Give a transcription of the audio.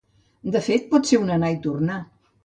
De fet, pot ser un anar i tornar.